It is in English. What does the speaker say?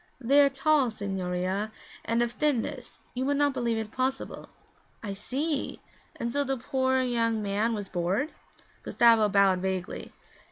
'They are tall, signorina, and of a thinness you would not believe it possible.' 'I see! And so the poor young man was bored?' Gustavo bowed vaguely.